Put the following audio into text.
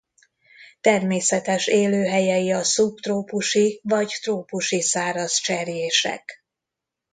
Természetes élőhelyei a szubtrópusi vagy trópusi száraz cserjések.